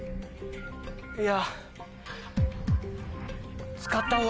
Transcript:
いや。